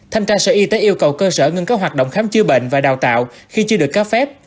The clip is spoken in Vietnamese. thanh tra sở y tế yêu cầu cơ sở ngưng các hoạt động khám chữa bệnh và đào tạo khi chưa được cấp phép